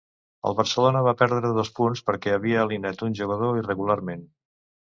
El Barcelona va perdre dos punts perquè havia alineat un jugador irregularment.